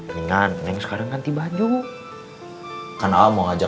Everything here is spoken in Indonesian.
dengan yang sekarang kan tiba tiba